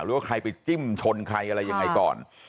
ว่าใครไปจิ้มชนใครอะไรยังไงก่อน